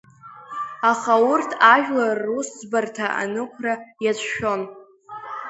Аха урҭ ажәлар русӡбарҭа анықәра иацәшәон.